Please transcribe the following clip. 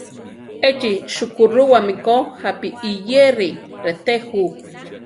Échi sukúruwami ko japi iyéri reté jú.